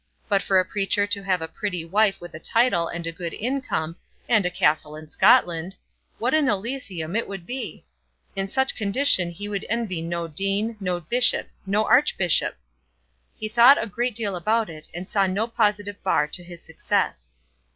but for a preacher to have a pretty wife with a title and a good income, and a castle in Scotland, what an Elysium it would be! In such a condition he would envy no dean, no bishop, no archbishop! He thought a great deal about it, and saw no positive bar to his success.